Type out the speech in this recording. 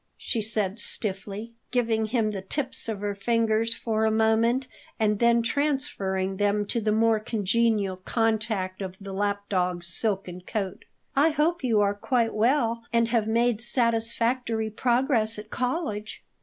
she said stiffly, giving him the tips of her fingers for a moment, and then transferring them to the more congenial contact of the lap dog's silken coat. "I hope you are quite well and have made satisfactory progress at college."